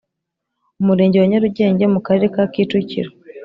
Umurenge wa Nyarugenge mu Karere ka kicukiro